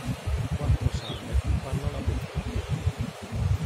Quattro salme fanno la botte.